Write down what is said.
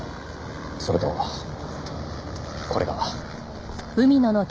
それとこれが。